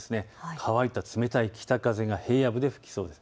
乾いた冷たい北風が平野部で吹きそうです。